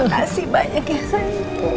makasih banyak ya sayang